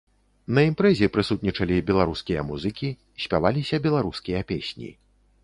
На імпрэзе прысутнічалі беларускія музыкі, спяваліся беларускія песні.